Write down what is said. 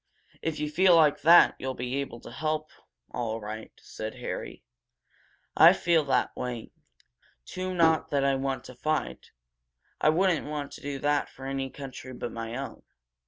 "If you feel like that you'll be able to help, all right," said Harry. "I feel that way, too not that I want to fight. I wouldn't want to do that for any country but my own.